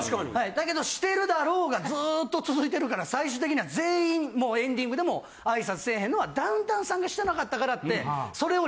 だけどしてるだろうがずっと続いてから最終的には全員もうエンディングでも挨拶せえへんのはダウンタウンさんがしてなかったからって。